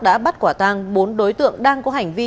đã bắt quả tang bốn đối tượng đang có hành vi